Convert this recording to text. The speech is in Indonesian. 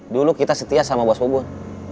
dulu kita setia sama bos obon